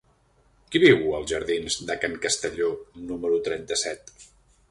Qui viu als jardins de Can Castelló número trenta-set?